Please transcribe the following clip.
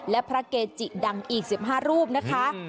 และพระเกจิดังอีกสิบห้ารูปนะคะ